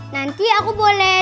nanti aku boleh